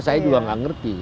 saya juga gak ngerti